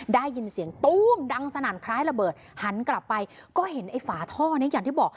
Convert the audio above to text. ได้ยินเสียงตู้มดังสนั่นคล้ายระเบิดหันกลับไปก็เห็นไอ้ฝาท่อนี้อย่างที่บอก